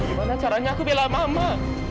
gimana caranya aku bela mama